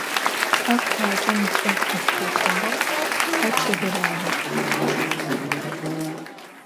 А къуаджэм ыцӏэ къызтекӏыгъэр а чъыгыр ары.